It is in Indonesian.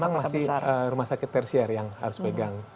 memang masih rumah sakit tersier yang harus pegang